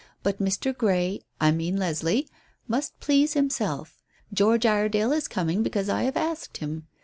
But Mr. Grey I mean Leslie must please himself. George Iredale is coming because I have asked him.